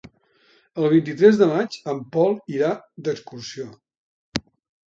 El vint-i-tres de maig en Pol irà d'excursió.